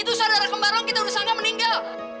itu saudara kembar yang kita udah sangka meninggal